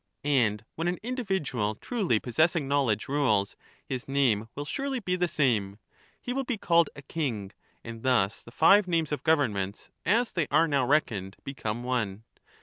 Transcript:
And when an individual truly possessing knowledge ^y^^^v rules, his name will surely be the same— he will be called a king ; and thus the five names of governments, as they are now reckoned, become one.